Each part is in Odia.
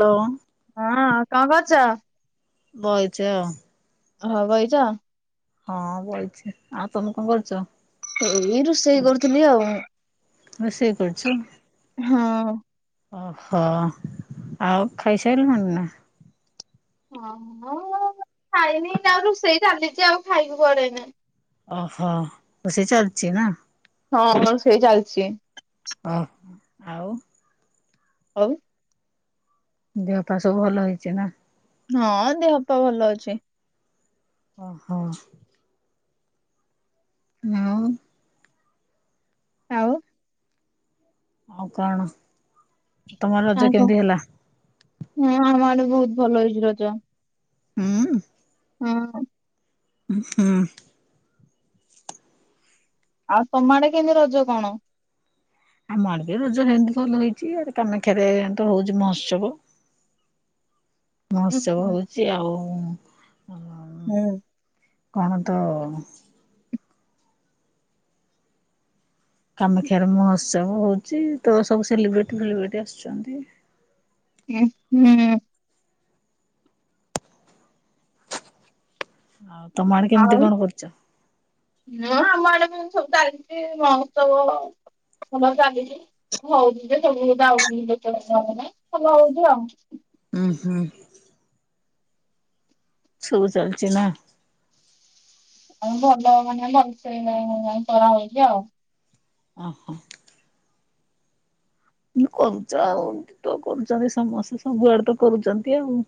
ହାଲୋ। ହଁ କଁ କରୁଚ? ବଇଚି ଆଉ। ହଁ ବଇଁଚ? ହଁ ବଇଛି ଆଉ ତମେ କଁ କରୁଚ? ଏଇ ରୋଷେଇ କରୁଥିଲି ଆଉ। ରୋଷେଇ କରୁଚୁ। ହଁ। ଓ ହଁ ଆଉ ଖାଇସାରିଲୁନା? ହଁ ଖାଇନି ଆଉ ରୋଷେଇ ଚାଲିଚି ଆଉ ଖାଇବୁ କୁଆଡ଼େ ଏଇନା। ଓହୋ ରୋଷେଇ ଚାଲିଚି ନା? ହଁ ରୋଷେଇ ଚାଲିଚି। ଅଁ ଆଉ? ହଉ ଦେହପା ସବୁ ଭଲ ହେଇଚିନା? ହଁ ଦେହ ପା ଭଲ ଅଛି। ଓହୋ। ନା ଆଉ ଆଉ? ଆଉ କଣ ତମର ରଜ କେମିତି ହେଲା? ହୁଁ ଆମ ଆଡ଼େ ବହୁତ୍ ଭଲ ହେଇଚି ରଜ। ଉଁ। ହୁଁ। ଉଁ ହୁଁ। ଆଉ ତମ ଆଡ଼େ କେମିତି ରଜ କଣ? ଆମ ଆଡ଼େବି ରଜ ହେମିତି ଭଲ ହେଇଚି ଇଆଡ଼େ କାମାକ୍ଷାରେତ ହଉଚି ମହୋତ୍ସବ। ଉଁ ମହୋତ୍ସବ ହଉଚି ଆଉ ହୁଁ। କଣ ତ କାମାକ୍ଷାରେ ମହୋତ୍ସବ ହଉଚି ତସବୁ ସେଲିବ୍ରେଟି ଫେଲିବ୍ରେଟି ଆସିଚନ୍ତି। ଉଁ ହୁଁ। ଆଉ ତମ ଆଡ଼େ କେମିତି କଣ କରିଚ? ହୁଁ ଆମ ଆଡ଼େବି ସବୁ ଚାଲିଚି ମହୋତ୍ସବ ସେମିତି ଚାଲିଚି। ହଉଚିଯେ ସବୁକଥା [unintelligible] ଭଲ ହଉଚି ଆଉ। ଉଁ ହୁଁ। ସବୁ ଚାଲିଚି ନା? ଆଉ ଭଲ ମାନେ ଭଲସେ କରା ହଉଚି ଆଉ। ଅ ହ। ମୁଁ କରୁଚ ଆଉ ତ କରୁଛନ୍ତି ସମସ୍ତେ ସବୁଆଡ଼େ ତ କରୁଛନ୍ତି ଆଉ।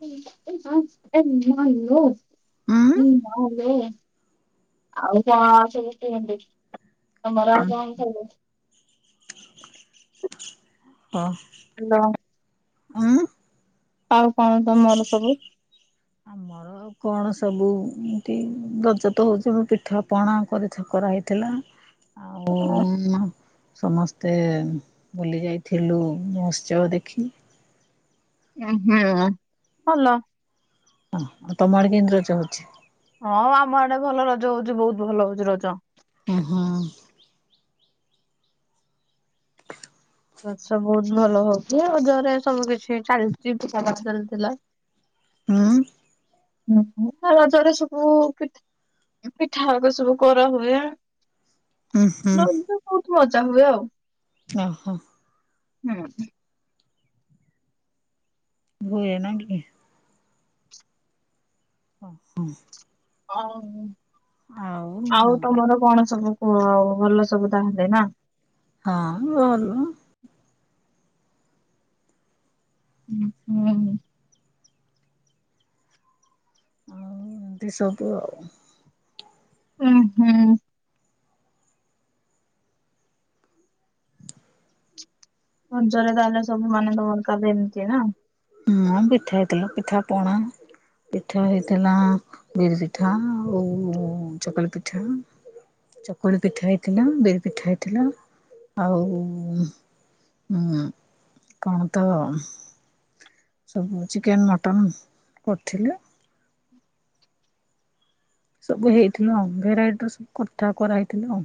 [unintelligible] ଯୋଉ ଉଁ। ଆଉ କଣ ଅଛି କି ସେମିତି ତମର ଆଉ କଣ ଇଛା ଥିବ? ହଁ। ହ୍ୟାଲୋ। ଉଁ ଆଉ କଣ ତମର ସବୁ? ମୋର ଆଉ କଣ ସବୁ ଏମିତି ରଜ ତ ହଉଛି ମୁଁ ପିଠା ପଣା କରିଥି କରା ହେଇଥିଲା। ଆଉ ସମ ତେ ବୁଲି ଯାଇଥିଲୁ ମହୋତ୍ସବ ଦେଖି [unintelligible] ହଁ ଆଉ ତମଆଡ଼େ କେମିତି ରଜ ହଉଛି? ହଁ ଆମ ଆଡ଼େ ଭଲ ରଜ ହଉଛି ବହୁତ ଭଲ ହଉଛି ରଜ। ଉଁ ହୁଁ। ରଛ ବହୁତ ଭଲ ହଉଚି ରଜରେ ସବୁ କିଛି ଚାଲିଚି ପିଠାପଣା ଚାଲିଥିଲା। ହୁଁ। [unintelligible] ରଜରେ ସବୁ ପିଠା ପିଠାହବ ସବୁ କରାହୁଏ ହୁଁ ହୁଁ ରଜରେ ବହୁତ ମଜା ହୁଏ ଆଉ। ଓ ହୋ। ହୁଁ। ହୁଏ ନାଁ କି? ହ ହଁ। [unintelligible] ଆଉ ତମର କଣ ସବୁ କୁହ ଭଲ ସବୁ ତାହେଲେ ନା? ହଁ ଭଲ। ଉଁ ହୁଁ। ଆଉ ଏମିତି ସବୁ ଆଉ। ଉଁ ହୁଁ। ମଞ୍ଚରେ ତାହେଲେ ସବୁ ମାନେଙ୍କ ଦରକାର ଏମିତି ନା। ହୁଁ ପିଠା ହେଇଥିଲା ପିଠା ପଣା। ପିଠା ହେଇଥିଲା ବିରି ପିଠା ଆଉ ଚକୁଳି ପିଠା। ଚକୁଳି ପିଠା ହେଇଥିଲା ବିରି ପିଠା ହେଇଥିଲା ଆଉ। ହୁଁ କଣ ତ? ସବୁ ଚିକେନ୍ ମଟନ୍ କରିଥିଲା। ସବୁ ହେଇଥିବ ଆଉ ଭେରାଇଟ୍ ର ସବୁ କଥା କରାହେଇଥିବ ଆଉ।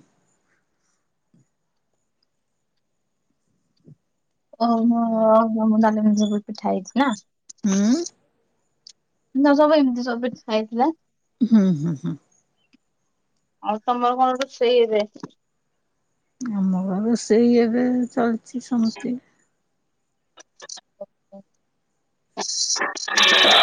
[unintelligible] ନା ସବୁ ହୁଁ ଏମତି ସବୁ ପିଠା ହେଇଥିଲା। ହୁଁ ହୁଁ ହୁଁ। ଆଉ ତମର କଣ ରୋଷେଇ ଆଜି? ଆମର ରୋଷେଇ ଏବେ ଚାଲିଛି ସେମତି [unintelligible]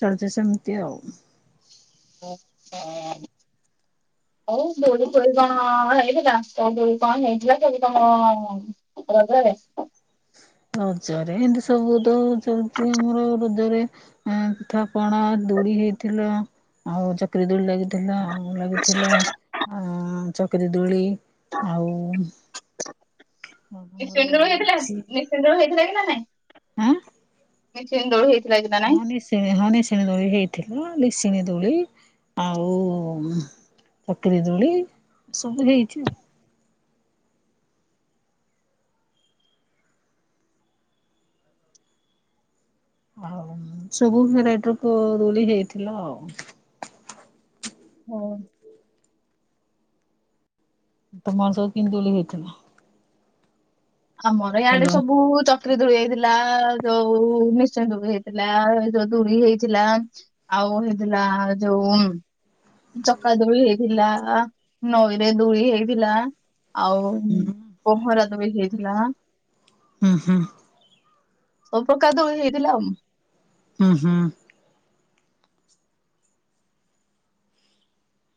ଚାଲିଚି ସେମିତି ଆଉ। [unintelligible] ହ ହଉ ଦୋଳି ଫୋଳି କଣ ହେଇଥିଲା ଦୋଳି କଣ ହେଇଥିଲା ଦୋଳି କଣ ରଜରେ। ରଜରେ ଏମତି ସବୁ ତ ଚାଲିଚି ଆମର ରଜରେ। ହୁଁ ପିଠା ପଣା ଦୋଳି ହେଇଥିଲା ଆଉ ଚକ୍ରୀ ଦୋଳି ଲାଗି ଥିଲା ଆଉ ଲାଗିଥିଲା ଆ-ଚକିରି ଦୋଳି ଆଉ ଆମର ନିଶିଣି ଦୋଳି ହେଇଥିଲା ଅଛି ନିଶିଣି ଦୋଳି ହେଇଥିଲା କି ନା ନାଇଁ? ଆଁ। [unintelligible] ଦୋଳି ହେଇଥିଲା କି ନା ହଁ ନାଇଁ? ହଁ ନେସିଣି ଦୋଳି ହେଇଥିଲା ନେସିଣି ଦୋଳି ଆଉ ଚକିରି ଦୋଳି ସବୁ ହେଇଚି ଆଉ। ଆଉ ସବୁ ଭେରାଇଟି ର ଦ-ଦୋଳି ହେଇଥିଲା ଆଉ। ହଁ। ତମର ସବୁ କିନ୍ତି ଦୋଳି ହେଇଥିଲା? ଆମର ଇଆଡେ ଭଲ ସବୁ ଚକ୍ ଚକ୍ରୀ ଦୋଳି ହେଇଥିଲା ଯଉ ନିଶୁଣି ଦୋଳି ହେଇଥିଲା ଯଉ ଦୁଳି ହେଇଥିଲା। ଆଉ ହେଇଥିଲା ଯଉ ଚକା ଦୋଳି ହେଇଥିଲା ନଈରେ ଦୁଲି ହେଇଥିଲା ଆଉ ପଂହଁରା ଦୋଳି ହେଇଥିଲା। ଉଁ- ହୁଁ। ସବୁ ପ୍ରକାର ଦୋଳି ହେଇଥିଲା ଆଉ। ଉଁ- ହୁଁ।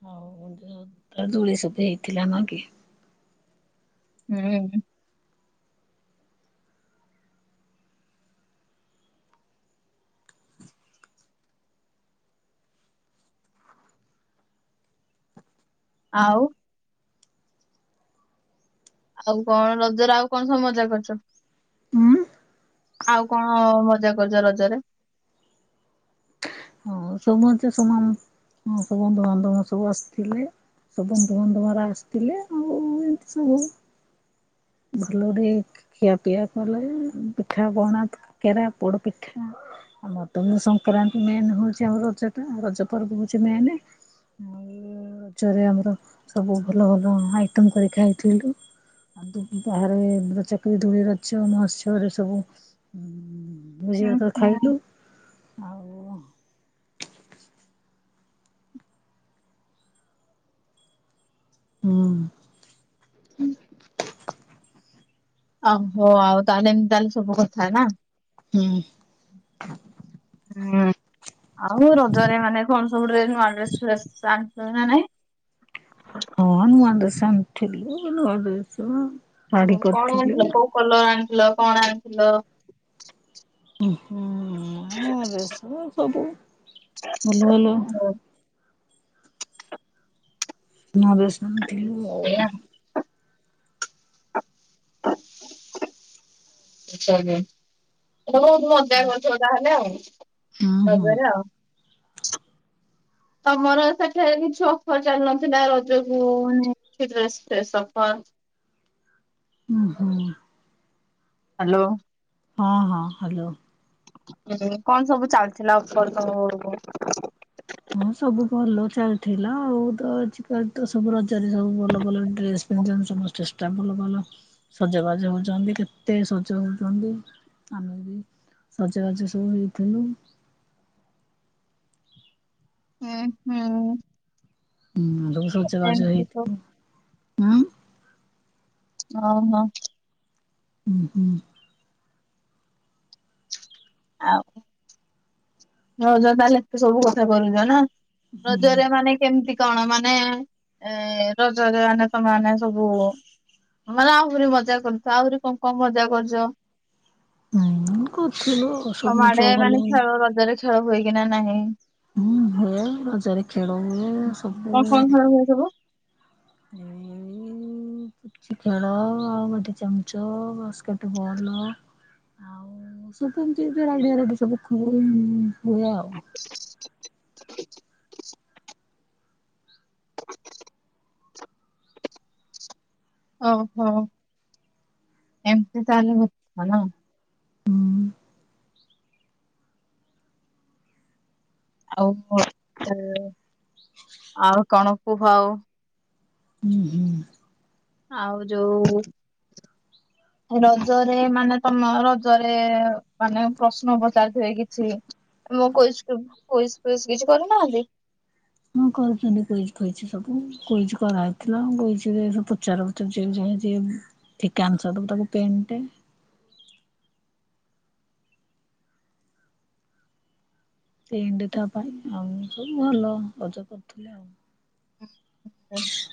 ହଉ [unintelligible] ଦୋଳି ସବୁ ହେଇଥିଲା ନୁହଁ କି? ହୁଁ। ଆଉ ଆଉ କଣ ରଜରେ ଆଉ କଣ ସବୁ ମଜା କରିଚ? ଉଁ ଆଉ କଣ ମଜା କରିଚ ରଜରେ? ହଁ ସମସ୍ତେ ସମାନ୍ ହଁ- ସବୁ ବନ୍ଧୁବାନ୍ଧବ ସବୁ ଆସିଥିଲେ। ସବୁ ବନ୍ଧୁବାନ୍ଧବ ଗୁରା ଆସିଥିଲେ ଆଉ ଏମିତି ସବୁ [unintelligible] ଖିଆ ପିଆ କଲେ ପିଠା ପଣା, କାକେରା, ପୋଡପିଠା ଆମର ତ ସଂକ୍ରାନ୍ତି ମେନ୍ ହଉଚି ଆମ ରଜ ଟା ରଜ ପର୍ବ ହଉଚି ମେନେ। ରଜରେ ଆମର ସବୁ ଭଲ ଭଲ ଆଇଟମ୍ କରି ଖାଇଥିଲୁ। ବାହାରେ ରଜରେ ଚକ୍ରୀ ଦୋଳି ରଜ ମହୋତ୍ସବ ରେ ସବୁ ହୁଁ ଭୋଜିଭାତ ହୁଁ। ଖାଇଲୁ। ଆଉ ହୁଁ। ଓହୋ ଆଉ ତାହେଲେ ଏମିତି ଚାଲିଚି ସବୁ କଥା ନା। ହୁଁ। ହୁଁ। ଆଉ ରଜରେ ମାନେ କଣ ସବୁ ଡ୍ରେସ୍ ନୂଆ ଡ୍ରେସ୍ ଫ୍ରେସ୍ ଆଣିଚ ନା ନାଇଁ? ହଁ ନୂଆ ଡ୍ରେସ୍ ଆଣିଥିଲୁ ନୂଆଡ୍ରେସ ଶାଢୀ କରିଥିଲି କଲର୍ ଆଣିଥିଲ କଣ ଆଣିଥିଲ? ଉଁ- ହୁଁ ନୂଆ ଡ୍ରେସ୍ ତ ସବୁ ଭଲ ଭଲ। ନୂଆ ଡ୍ରେସ୍ ଆଣିଥିଲୁ ଆଉ। ଏଇଆ ବହୁତ୍ ମଜା କରିଥିବ ତାହେଲେ ଆଉ ହୁଁ ହୁଁ। ରଜରେ ଆଉ। ତମର ସେଠାରେ କିଛି ଅଫର ଚାଲୁନଥିଲା ରଜକୁ ମାନେ ଡ୍ରେସ ଫ୍ରେସ ଅଫର ଉଁ ହୁଁ। ହ୍ୟାଲୋ। ହଁ ହଁ ହ୍ୟାଲୋ। ହୁଁ କଣ ସବୁ ଚାଲିଥିଲା ଅଫର ସବୁ ହଁ ସବୁ ଭଲ ଚାଲିଥିଲା ଆଉ ତ ଆଜିକାଲି ତ ସବୁ ରଜରେ ସବୁ ଭଲ ଭଲ ଡ୍ରେସ ପିନ୍ଧୁଛନ୍ତି ସମ ଚେଷ୍ଟା କଲ ଭଲ। ସଜବାଜ ହଉଛନ୍ତି କେତେ ସଜ ହଉଛନ୍ତି ଆମେ ବି ସଜବାଜ ସବୁ ହେଇଥିଲୁ। ଉଁ ହୁଁ। ହୁଁ ଆ ଶଯ ବାଜ ଏମିତି ସବୁ ହେଇଥିବ ଉଁ ହ ହ। ଉୁଁ ହୁଁ। ଆଉ ରଜ ତାହେଲେ ଏତେ ସବୁ କଥା କରୁଛ ନା ରଜରେ ମାନେ କେମିତି କଣ ମାନେ ଏ ରଜରେ ମାନେ ସେମାନେ ସବୁ ମାନେ ଆହୁରି ମଜା କରୁଥା ଆହୁରି କଣ କଣ ମଜା କରୁଛ। ହୁଁ କରିଥିଲୁ ସବୁ ତମ ମଜା ଆଡେ ଭଲ ମାନେ ଖେଳ ରଜରେ ଖେଳ ହୁଏକିନା ନାହିଁ। ହୁଁ ହୁଏ ରଜରେ ଖେଳ ହୁଏ ସବୁ କଣ କଣ ଖେଳ ହୁଏ ସବୁ। ଏଇ ପୁଚି ଖେଳ ଆଉ ଗୋଟେ ଚାମୁଚ ବାସ୍କେଟ ବଲ। ଆଉ ସବୁ ଏମିତି ଭେରାଇଟ ସବୁ ହୁଏ ଆଉ [inaudible] ଓହୋ ଏମିତି ତାହାଲେ କଥା ନା ଆଉ ଆଉ କଣ କୁହ ଆଉ? ହୁଁ ହୁଁ। ଆଉ ଯୋଉ [unintelligible] ରଜରେ ମାନେ ତମ ରଜରେ ମାନେ ପ୍ରଶ୍ନ ପଚାରିଥିବେ କିଛି? ତମ କୁଇଜି ଫୁଇଜି କିଛି କରୁନାହାନ୍ତି। ହଁ କରୁଛନ୍ତି କୁଇଜ ଫୁଇଜି ସବୁ କୁଇଜ କରାହେଇଥିଲା କୁଇଜିରେ ସବୁ ପଚାର ଯେଉଁ ଯାକେ ଠିକ ଆସଂର ଦବ ତାକୁ ପେନ୍ ଟେ ପେନଟେ ତା ପାଇଁ ଆଉ ସବୁ ଭଲ ରଜ କରୁଥିଲେ ଆଉ [unintelligible]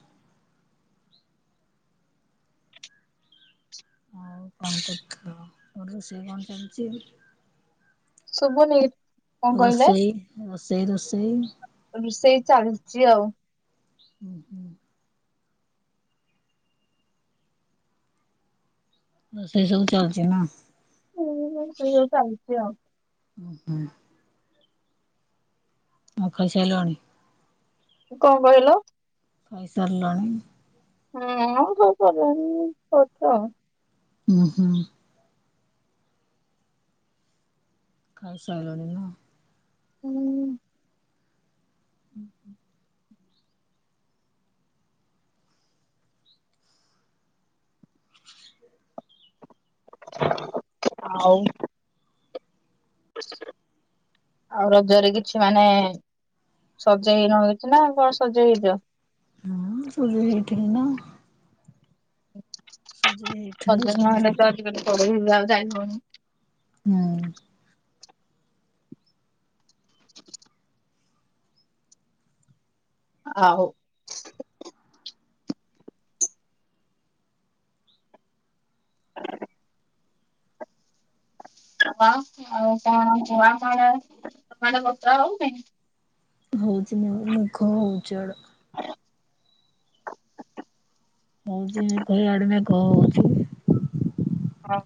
ଆଉ କଣ କରୁଥିଲ ରୋଷେଇ କଣ ଚାଲିଛି? ଶୁଭୁନି? କଣ ହଁ କହିଲେ? ସେଇ ରୋଷେଇ ରୋଷେଇ ରୋଷେଇ ରୋଷେଇ ଚାଲିଛି ଆଉ [unintelligible] ରୋଷେଇ ସବୁ ଚାଲିଛି ନା ହୁଁଁ ରୋଷେଇ ଚାଲିଛି ଆଉ ଓ ହୁଁ। ଓ ଖାଇସାଈଲଣି? ଙ୍କ କହିଲ? ଖାଇ ସାର୍ଲଣି? [unintelligible] [inaudible] ଖାଇ ସାଇଲଣି ନା? [inaudible] [unintelligible] ଆଉ? ଆଉ ରଜରେ କିଛି ମାନେ ସଜେଇ ହେଇନ କିଛି ନା କ'ଣ ସଜେଇ ଚ? ହଁ, ସଜେଇ ହେଇଥିଲି ନା। [unintelligible] ସମସ୍ତେ। [unintelligible] ହୁଁ। [unintelligible] [unintelligible] [unintelligible] [inaudible] [inaudible] ଅ ଅଁ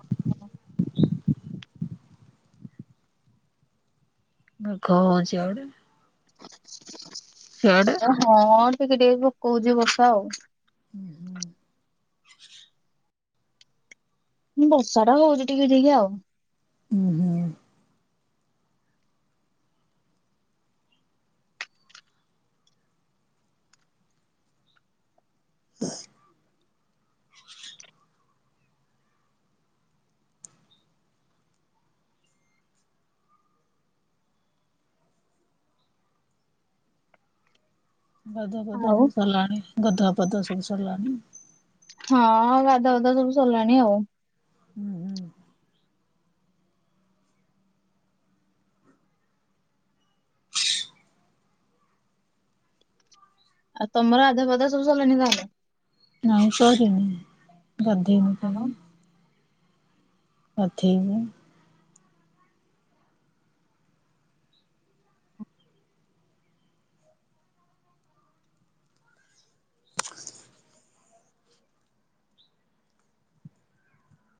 ମେଘ ହଉଚି ଆଡ଼େ। [inaudible] [unintelligible] ହଁ, ଟିକେ ଟିକେ ପକଉଚି ବର୍ଷା ଆଉ। ହୁ ହୁଁ ବର୍ଷାଟା ହଉଚି ଟିକେ ଟିକେ ଆଉ। [unintelligible] [inaudible] ଆଉ [inaudible] ହଁ, ଗାଧୁଆ ପାଧୁଆ ସବୁ ସର୍ଲାଣି ଆଉ। [inaudible] ଆଉ ତମର ଆଧୁଆ ପାଧୁଆ ସବୁ ସର୍ଲାଣି ନାଁଇ ସରିନି, ଗାଧେଇନି ହଁ [inaudible] [inaudible]